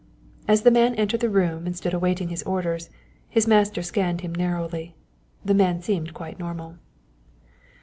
As the man entered the room and stood awaiting his orders, his master scanned him narrowly. The man seemed quite normal.